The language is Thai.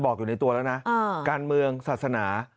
อยู่ในตัวแล้วนะการเมืองศาสนา